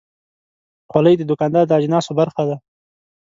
خولۍ د دوکاندار د اجناسو برخه ده.